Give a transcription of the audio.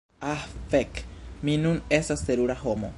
Ah fek' mi nun estas terura homo